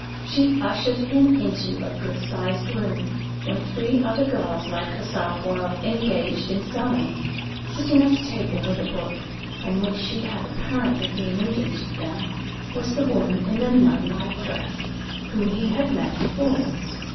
She ushered him into a good sized room, where three other girls like herself were engaged in sewing. Sitting at a table with a book, from which she had apparently been reading to them, was the woman in the nun like dress whom he had met before.